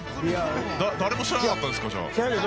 誰も知らなかったんですか？